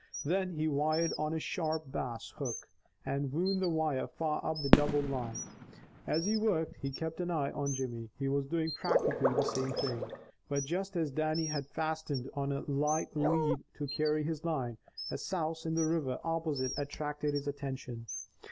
Then he wired on a sharp bass hook, and wound the wire far up the doubled line. As he worked, he kept an eye on Jimmy. He was doing practically the same thing. But just as Dannie had fastened on a light lead to carry his line, a souse in the river opposite attracted his attention.